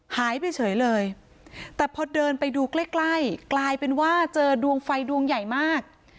หายไปเฉยเลยแต่พอเดินไปดูใกล้ใกล้กลายเป็นว่าเจอดวงไฟดวงใหญ่มาก